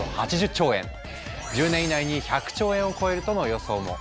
１０年以内に１００兆円を超えるとの予想も。